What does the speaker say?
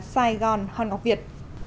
sài gòn hòn ngọc việt